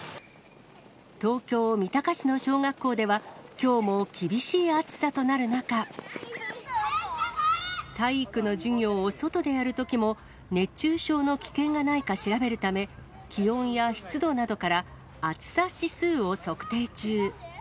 東京・三鷹市の小学校では、きょうも厳しい暑さとなる中、体育の授業を外でやるときも、熱中症の危険がないか調べるため、気温や湿度などから暑さ指数を測定中。